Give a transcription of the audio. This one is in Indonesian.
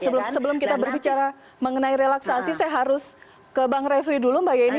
baik sebelum kita berbicara mengenai relaksasi saya harus ke bank refri dulu mbak yeni